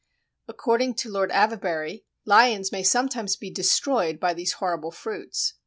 According to Lord Avebury, lions may sometimes be destroyed by these horrible fruits.